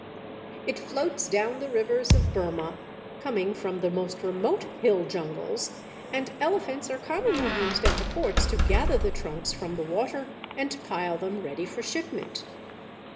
It floats down the rivers of Burmah, coming from the most remote hill jungles, and elephants are commonly used at the ports to gather the trunks from the water and pile them ready for shipment.